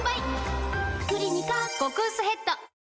「クリニカ」極薄ヘッド